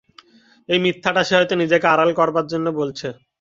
এই মিথ্যাটা সে হয়তো নিজেকে আড়াল করবার জন্যে বলছে।